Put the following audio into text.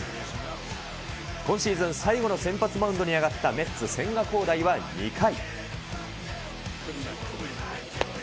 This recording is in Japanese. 今シーズン最後の先発マウンドに上がったメッツ、千賀滉大は２回。